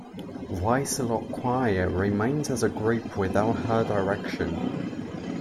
Voissalot choir remains as a group without her direction.